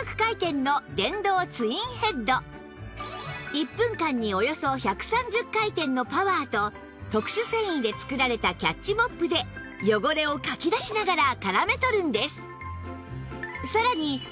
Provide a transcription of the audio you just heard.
１分間におよそ１３０回転のパワーと特殊繊維で作られたキャッチモップで汚れをかき出しながら絡め取るんです